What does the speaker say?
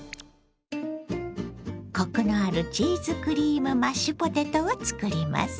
コクのあるチーズクリームマッシュポテトを作ります。